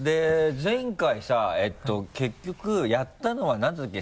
前回さ結局やったのはなんだったっけ？